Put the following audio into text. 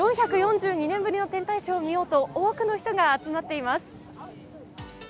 ４４２年ぶりの天体ショーを見ようと多くの人が集まっています。